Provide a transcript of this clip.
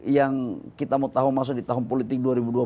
yang kita mau tahu masuk di tahun politik dua ribu dua puluh